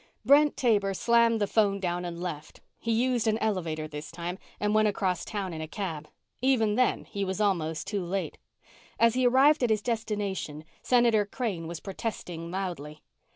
Brent Taber slammed the phone down and left. He used an elevator this time and went across town in a cab. Even then, he was almost too late. As he arrived at his destination, Senator Crane was protesting loudly.